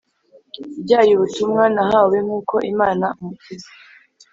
ryayo ubutumwa nahawe nk uko Imana Umukiza